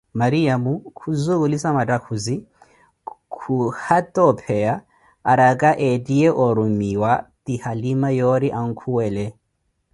Mariamo khu zukhulissa mathakhuzi khu yata opeya arakah ettiye orrumiwa ti halima yori ankhuwele